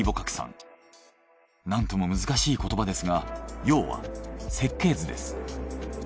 なんとも難しい言葉ですが要は設計図です。